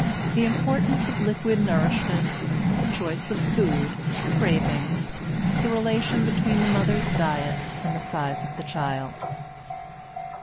The Importance of Liquid Nourishment The Choice of Food Cravings The Relation Between the Mother's Diet and the Size of the Child.